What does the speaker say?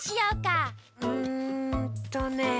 うんとね。